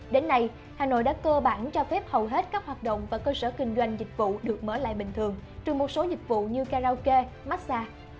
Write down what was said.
đến nay hà nội đã cơ bản cho phép hầu hết các hoạt động và cơ sở kinh doanh dịch vụ được mở lại bình thường trừ một số dịch vụ như karaoke massage